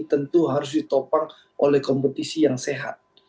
tentu harus ditopang oleh kompetisi yang sehat